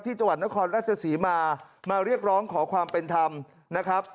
จังหวัดนครราชศรีมามาเรียกร้องขอความเป็นธรรมนะครับ